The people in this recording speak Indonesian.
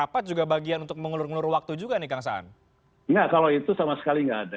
parpol itu sama sekali tidak ada